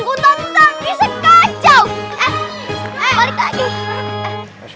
kok malam lagi